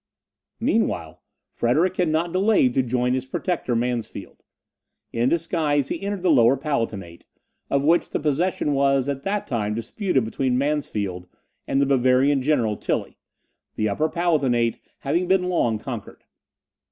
Meanwhile Frederick had not delayed to join his protector Mansfeld. In disguise he entered the Lower Palatinate, of which the possession was at that time disputed between Mansfeld and the Bavarian general, Tilly, the Upper Palatinate having been long conquered.